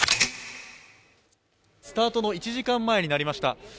スタートの１時間前になりました。